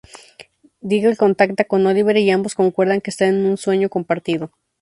Diggle contacta con Oliver, y ambos concuerdan que están en un sueño compartido.